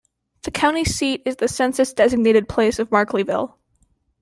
The county seat is the Census Designated Place of Markleeville.